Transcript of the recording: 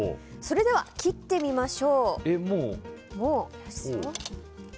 それでは切ってみましょう。